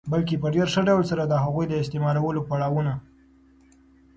بلکي په ډېر ښه ډول سره د هغوی د استعمالولو پړا وونه